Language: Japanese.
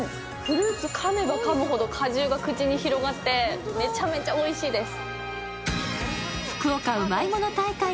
フルーツかめばかむほど口に広がってめちゃめちゃおいしいです。